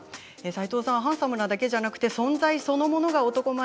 斎藤さん、ハンサムなだけじゃなくて存在そのものが男前。